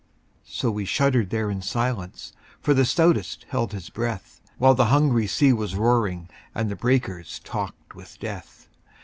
So we shuddered there in silence, For the stoutest held his breath, While the hungry sea was roaring And the breakers talked with death.